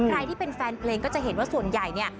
ใครที่เป็นแฟนเพลงก็จะเห็นว่าส่วนใหญ่เนี่ย